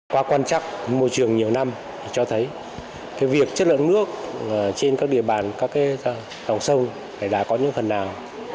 qua quan trắc môi trường nhiều năm cho thấy việc chất lượng nước trên các địa bàn các dòng sông đã có những phần nào